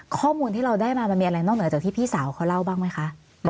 ข้อมูลที่เราได้มามันมีอะไรนอกเหนือจากที่พี่สาวเขาเล่าบ้างไหมคะ